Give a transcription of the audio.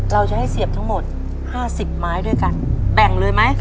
เราจะให้เสียบทั้งหมด๕๐ไม้ด้วยกัน